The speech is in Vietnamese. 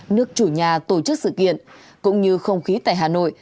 nước chủ nhà tổ chức sự kiện cũng như không khí tại hà nội